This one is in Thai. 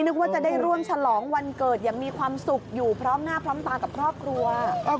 นึกว่าจะได้ร่วมฉลองวันเกิดอย่างมีความสุขอยู่พร้อมหน้าพร้อมตากับครอบครัว